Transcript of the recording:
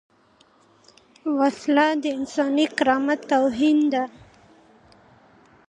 وسله د انساني کرامت توهین ده